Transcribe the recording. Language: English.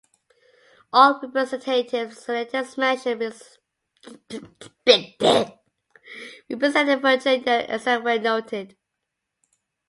All representatives and senators mentioned represented Virginia except where noted.